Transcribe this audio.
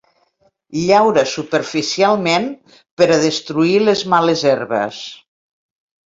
Llaura superficialment per a destruir les males herbes.